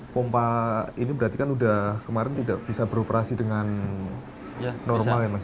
pompa ini berarti kan sudah kemarin tidak bisa beroperasi dengan normal ya mas